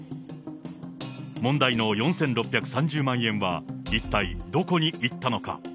問題の４６３０万円は、一体どこに行ったのか。